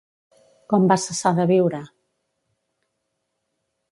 Com va cessar de viure?